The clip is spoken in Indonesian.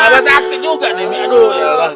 bapak sakit juga nih aduh